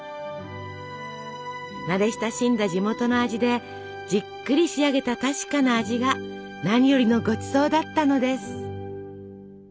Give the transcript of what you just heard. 慣れ親しんだ地元の味でじっくり仕上げた確かな味が何よりのごちそうだったのです。